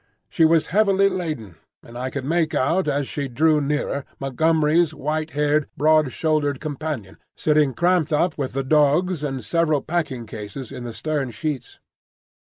She was heavily laden, and I could make out as she drew nearer Montgomery's white haired, broad shouldered companion sitting cramped up with the dogs and several packing cases in the stern sheets.